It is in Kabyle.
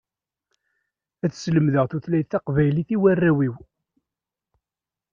Ad slemdeɣ tutlayt taqbaylit i warraw-iw.